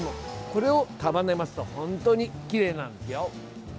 これを束ねますと本当にきれいなんですよ。